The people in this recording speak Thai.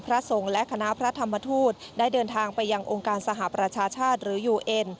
ทรงและคณะพระธรรมทูตได้เดินทางไปยังองค์การสหประชาชาติหรือยูเอ็น